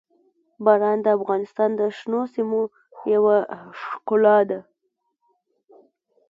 باران د افغانستان د شنو سیمو یوه ښکلا ده.